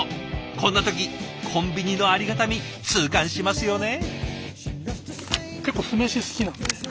こんな時コンビニのありがたみ痛感しますよね。